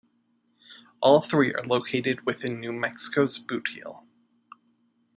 All three are located within New Mexico's boot heel.